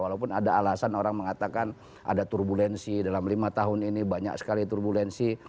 walaupun ada alasan orang mengatakan ada turbulensi dalam lima tahun ini banyak sekali turbulensi